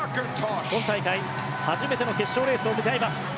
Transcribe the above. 今大会、初めての決勝レースを迎えます。